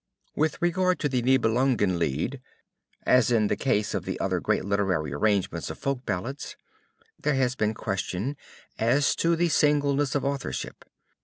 With regard to the Nibelungen Lied, as in the case of the other great literary arrangements of folk ballads, there has been question as to the singleness of authorship.